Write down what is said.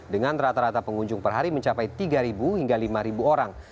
dengan rata rata pengunjung per hari mencapai tiga hingga lima orang